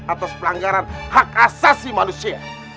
atas pelanggaran hak asasi manusia